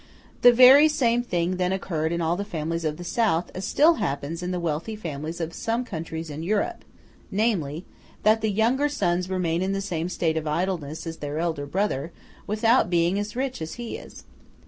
The very same thing then occurred in all the families of the South as still happens in the wealthy families of some countries in Europe, namely, that the younger sons remain in the same state of idleness as their elder brother, without being as rich as he is.